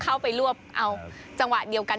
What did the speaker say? เข้าไปรวบเอาจังหวะเดียวกัน